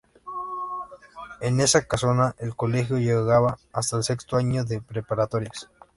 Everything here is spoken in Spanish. En esa casona, el colegio llegaba hasta el sexto año de preparatorias.